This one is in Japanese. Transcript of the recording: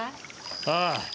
ああ。